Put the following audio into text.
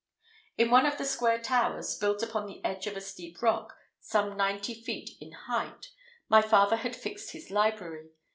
In one of the square towers, built upon the edge of a steep rock, some ninety feet in height, my father had fixed his library.